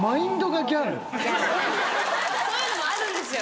そういうのもあるんですよ。